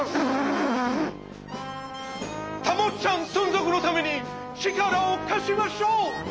たもっちゃん存続のために力をかしましょう！